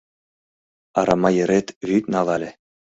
Арама йырет вӱд налале.